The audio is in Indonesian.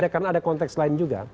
karena ada konteks lain juga